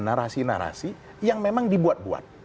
narasi narasi yang memang dibuat buat